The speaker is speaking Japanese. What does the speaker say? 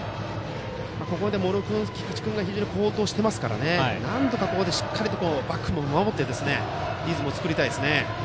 ここで茂呂君、菊池君が非常に好投していますからなんとかここでしっかりとバックも守ってリズムを作りたいですね。